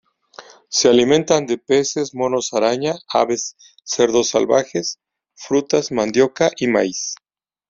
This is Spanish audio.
Se alimentan de peces, monos araña, aves, cerdos salvajes, frutas, mandioca y maíz.